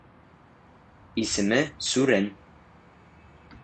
Исеме -Сүрен.